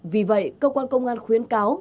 vì vậy cơ quan công an khuyến cáo